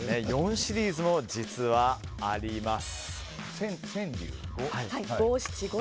４シリーズも実はあります。